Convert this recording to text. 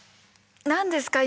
何ですか？